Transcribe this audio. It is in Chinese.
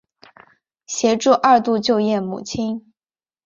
协助二度就业母亲